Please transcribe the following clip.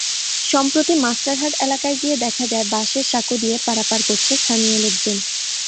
সম্প্রতি মাস্টারহাট এলাকায় গিয়ে দেখা যায়, বাঁশের সাঁকো দিয়ে পারাপার করছে স্থানীয় লোকজন।